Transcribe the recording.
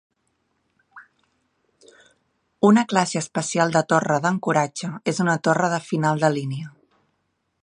Una classe especial de torre d'ancoratge és una torre de final de línia.